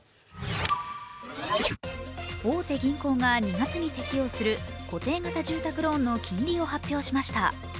大手銀行が２月に適用する固定型住宅ローンの金利を発表しました。